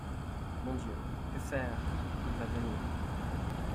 Mon Dieu, que faire !… il va venir.